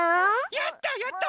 やったやった！